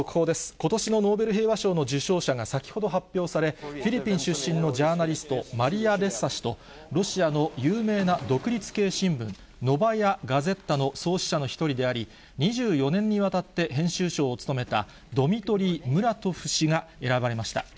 ことしのノーベル平和賞の受賞者が先ほど発表され、フィリピン出身のジャーナリスト、マリア・レッサ氏と、ロシアの有名な独立系新聞、ノバヤガゼッタの創始者の１人であり、２４年にわたって編集長を務めた、ドミトリー・ムラトフ氏が選ばれました。